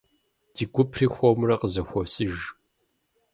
Ди гупри хуэмурэ къызэхуосыж.